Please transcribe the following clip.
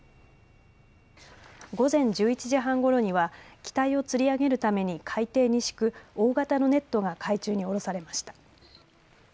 午前１１時半ごろには機体をつり上げるために海底に敷く大型のネットが海中に下ろされました。